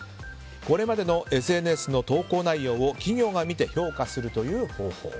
これまでのＳＮＳの投稿内容を企業が見て、評価するという方法。